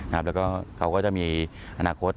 แล้วก็เขาก็จะมีอนาคต